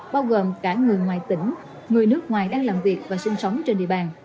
bao gồm cả người ngoài tỉnh người nước ngoài đang làm việc và sinh sống trên địa bàn